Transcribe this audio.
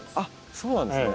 そうなんですね。